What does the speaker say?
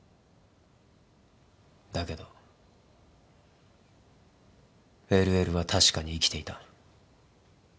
だけどＬＬは確かに生きていた。